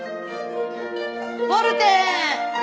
フォルテ！